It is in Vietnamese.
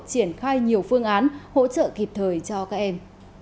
triển khai nhiều phương án hỗ trợ kịp thời cho các em